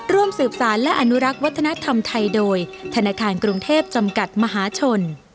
ร่วมสืบสารและอนุรักษ์วัฒนธรรมไทยโดยธนาคารกรุงเทพจำกัดมหาชน